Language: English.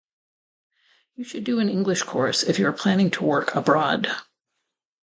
You should do an English course if you are planning to work abroad.